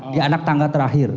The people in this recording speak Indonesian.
di anak tangga terakhir